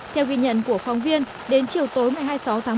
theo ghi nhận của phóng viên đến chiều tối ngày hai mươi sáu tháng một mươi một